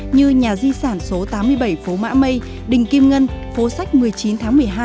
như nhà di sản số tám mươi bảy phố mã mây đình kim ngân phố sách một mươi chín tháng một mươi hai